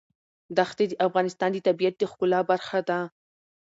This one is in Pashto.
دښتې د افغانستان د طبیعت د ښکلا برخه ده.